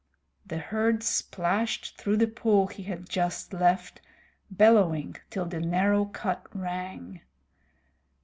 The herd splashed through the pool he had just left, bellowing till the narrow cut rang.